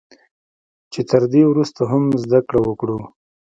چې تر دې ورسته هم زده کړه وکړو